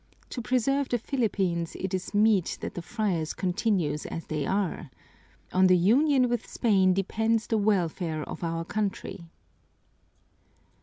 "To preserve the Philippines it is meet that the friars continue as they are. On the union with Spain depends the welfare of our country."